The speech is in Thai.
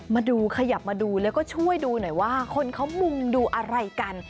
มาดูขยับมาดูแล้วก็ช่วยดูหน่อยว่าคนเขามุงดูอะไรกัน